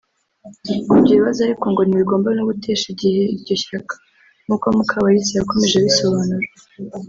Ibyo bibazo ariko ngo ntibigomba no gutesha igihe iryo shyaka nkuko Mukabalisa yakomeje abisobanura